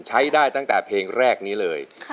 ใช้ได้ตั้งแต่เพลงแรกนี้เลย